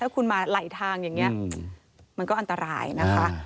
คุณมาไหลทางอย่างนี้มันก็อันตรายนะคะ